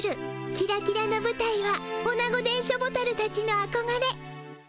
キラキラのぶたいはオナゴ電書ボタルたちのあこがれ。